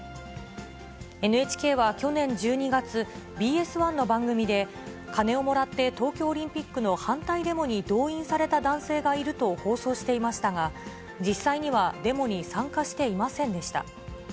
ＮＨＫは去年１２月、ＢＳ１の番組で、金をもらって東京オリンピックの反対デモに動員された男性がいると放送していましたが、実際にはデモに参加していませんでした。